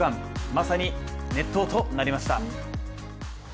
まさに、熱闘となりました。